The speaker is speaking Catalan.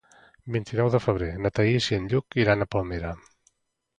El vint-i-nou de febrer na Thaís i en Lluc iran a Palmera.